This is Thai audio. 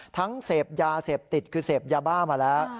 เสพยาเสพติดคือเสพยาบ้ามาแล้ว